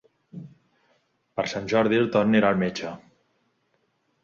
Per Sant Jordi en Ton anirà al metge.